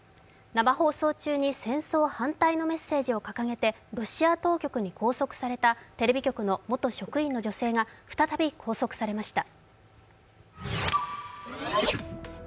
生放送中に戦争反対のメッセージを掲げてロシア当局に拘束されたテレビ局の元職員の女性が再び拘束されました。